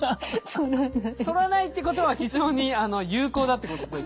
反らないっていうことは非常に有効だってことですね。